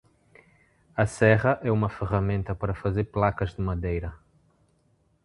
A serra é uma ferramenta para fazer placas de madeira.